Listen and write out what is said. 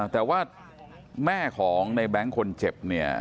แต่ว่าแม่ของในแบงค์คนเจ็บเนี่ย